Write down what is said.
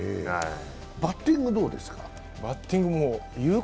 バッティングどうですか？